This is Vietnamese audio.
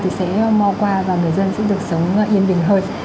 thì sẽ mau qua và người dân sẽ được sống yên bình hơn